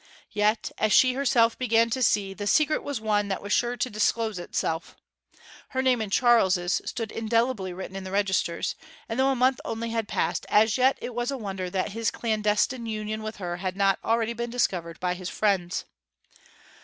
Yet, as she herself began to see, the secret was one that was sure to disclose itself. Her name and Charles's stood indelibly written in the registers; and though a month only had passed as yet it was a wonder that his clandestine union with her had not already been discovered by his friends.